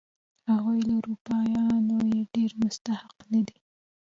هغوی له اروپایانو یې ډېر مستحق نه دي.